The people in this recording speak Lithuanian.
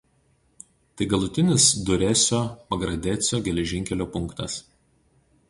Tai galutinis Duresio–Pogradecio geležinkelio punktas.